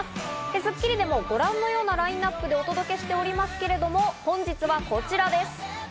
『スッキリ』でもご覧のようなラインナップでお届けしておりますけれども、本日はこちらです。